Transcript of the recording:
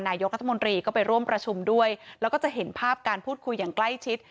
นายกรัฐมนตรีก็ไปร่วมประชุมด้วยแล้วก็จะเห็นภาพการพูดคุยอย่างใกล้ชิด